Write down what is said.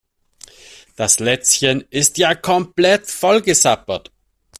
Das Lätzchen ist ja komplett vollgesabbert.